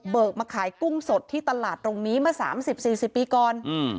มาขายกุ้งสดที่ตลาดตรงนี้เมื่อ๓๐๔๐ปีก่อน